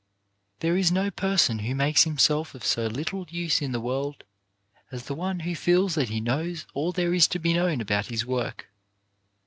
There is no person who makes him self of so little use in the world as the one who feels that he knows all there is to be known about his work.